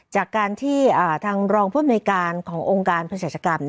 จากการที่ทางรองพลังอเมริกาขององค์การพลังศาสตร์กรรม